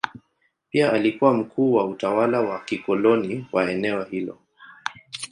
Pia alikuwa mkuu wa utawala wa kikoloni wa eneo hilo.